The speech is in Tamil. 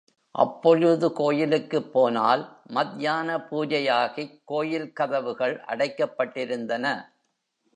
அப்பொழுது கோயிலுக்குப் போனால், மத்யான பூஜையாகிக் கோயில் கதவுகள் அடைக்கப்பட்டிருந்தன!